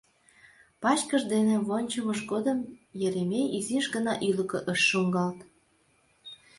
Пачкыш дене вончымыж годым Еремей изиш гына ӱлыкӧ ыш шуҥгалт.